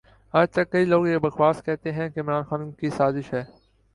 اجتک کئئ لوگ یہ بکواس کہتے ھیں کہ عمران خان کی سازش ھے